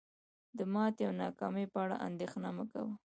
د ماتې او ناکامۍ په اړه اندیښنه مه کوه.